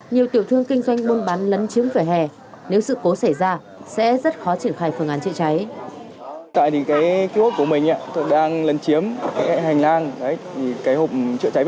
nhiều tiểu thương kinh doanh buôn bán lấn chiếm vẻ hè nếu sự cố xảy ra sẽ rất khó triển khai phòng cháy chữa cháy